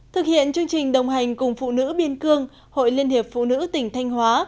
thực hiện chương trình đồng hành cùng phụ nữ biên cương hội liên hiệp phụ nữ tỉnh thanh hóa